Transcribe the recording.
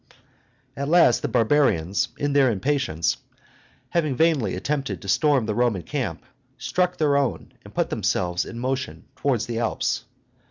At last the barbarians, in their impatience, having vainly attempted to storm the Roman camp, struck their own, and put themselves in motion towards the Alps.